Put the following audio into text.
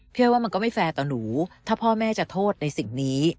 อ้อยว่ามันก็ไม่แฟร์ต่อหนูถ้าพ่อแม่จะโทษในสิ่งนี้